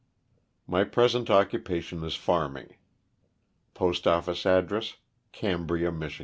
My present occupation is farming. Postoffice ad dress, Cambria, Mich.